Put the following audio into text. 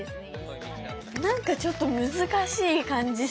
何かちょっと難しい感じする。